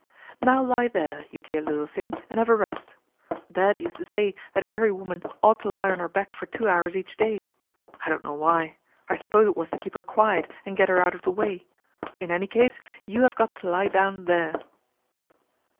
" Now lie there, you dear little thing, and have a rest. Dad used to say that every woman ought to lie on her back for two hours each day. I don't know why. I suppose it was to keep her quiet and get her out of the way. In any case you have got to lie down there."